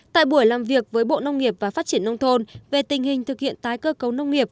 tại buổi làm việc với bộ nông nghiệp và phát triển nông thôn về tình hình thực hiện tái cơ cấu nông nghiệp